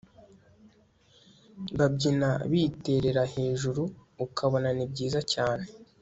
babyina biterera hejuru ukabona nibyiza cyane